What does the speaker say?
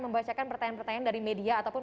membacakan pertanyaan pertanyaan dari media ataupun